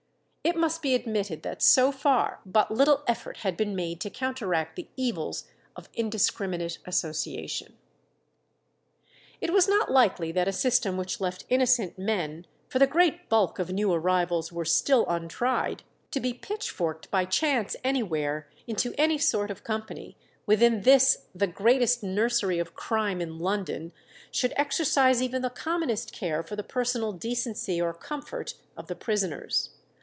It must be admitted that so far but little effort had been made to counteract the evils of indiscriminate association. It was not likely that a system which left innocent men for the great bulk of new arrivals were still untried to be pitchforked by chance anywhere, into any sort of company, within this the greatest nursery of crime in London, should exercise even the commonest care for the personal decency or comfort of the prisoners.